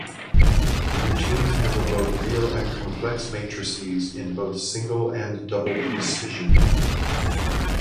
The routines handle both real and complex matrices in both single and double precision.